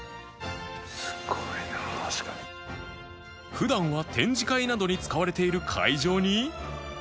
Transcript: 普段は展示会などに使われている会場に